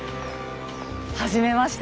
はじめまして。